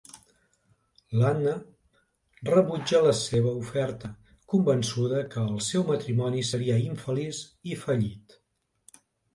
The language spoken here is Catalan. L'Anne rebutja la seva oferta, convençuda que el seu matrimoni seria infeliç i fallit.